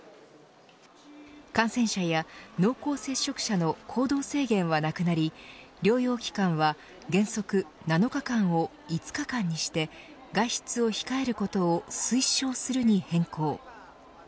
感染者や濃厚接触者の行動制限はなくなり療養期間は原則７日間を５日間にして外出を控えることを推奨するに変更。